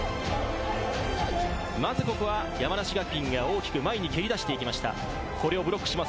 まずここは山梨学院が大きく前に蹴り出していきました。